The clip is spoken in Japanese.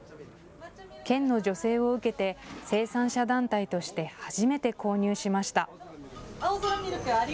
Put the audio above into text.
県の助成を受けて生産者団体として初めて購入しました。